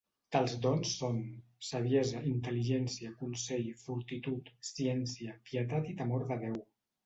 Tals dons són: saviesa, intel·ligència, consell, fortitud, ciència, pietat i temor de Déu.